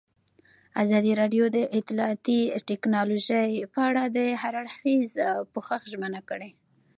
ازادي راډیو د اطلاعاتی تکنالوژي په اړه د هر اړخیز پوښښ ژمنه کړې.